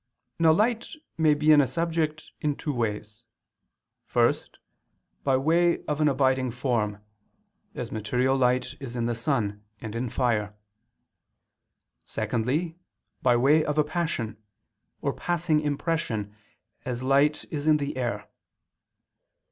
Now light may be in a subject in two ways: first, by way of an abiding form, as material light is in the sun, and in fire; secondly, by way of a passion, or passing impression, as light is in the air.